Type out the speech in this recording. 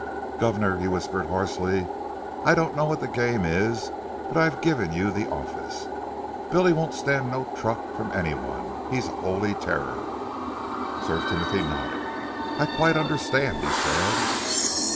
"Guvnor," he whispered hoarsely, "I don't know what the game is, but I've given you the office. Billy won't stand no truck from any one. He's a holy terror." Sir Timothy nodded. "I quite understand," he said.